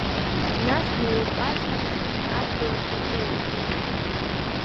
Нас днеикәаҵәишан адгьылахь иҿылеихеит.